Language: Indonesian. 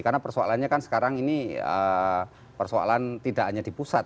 karena persoalannya kan sekarang ini persoalan tidak hanya di pusat